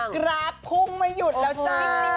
กราฟพุ่งไม่หยุดแล้วจ้า